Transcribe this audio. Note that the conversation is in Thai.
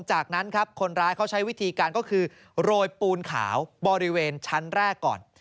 จากนั้นครับคนร้ายเขาใช้วิธีการก็คือโรยปูนขาวบริเวณชั้นแรกก่อน